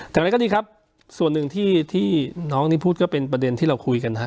อย่างไรก็ดีครับส่วนหนึ่งที่น้องนี่พูดก็เป็นประเด็นที่เราคุยกันฮะ